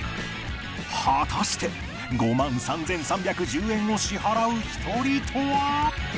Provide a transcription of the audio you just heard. ［果たして５３，３１０円を支払う１人とは？］